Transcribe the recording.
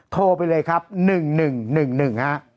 โทรไปเลยครับ๑๑๑๑ฮะ